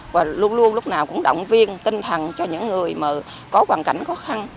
và luôn luôn lúc nào cũng động viên tinh thần cho những người mà có hoàn cảnh khó khăn